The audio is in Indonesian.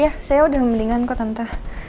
ya saya udah membandinganku tante